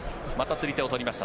釣り手を取りました。